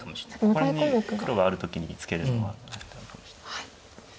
ここら辺に黒がある時にツケるのはあったのかもしれない。